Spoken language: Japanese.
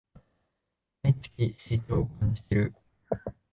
毎月、成長を感じてる